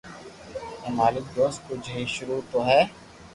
اي مالڪ تو سب ڪجھ ھي سروع تو ھي